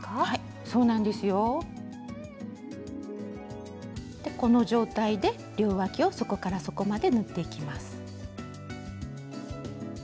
はいそうなんですよ。この状態で両わきを底から底まで縫っていきます。